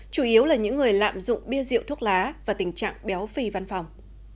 chủ yếu là những người lạm dụng bia rượu thuốc lá và tình trạng béo phì văn phòng